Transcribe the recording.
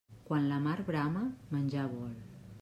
Quan la mar brama, menjar vol.